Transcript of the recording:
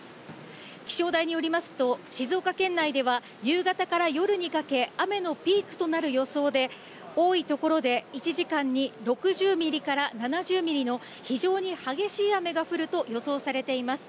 気象台によりますと、静岡県内では夕方から夜にかけ、雨のピークとなる予想で、多い所で１時間に６０ミリから７０ミリの非常に激しい雨が降ると予想されています。